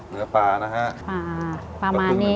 เนื้อปลาค่ะ